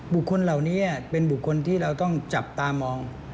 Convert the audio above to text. บุคคลเหล่านี้เป็นบุคคลที่เราต้องจับตามอง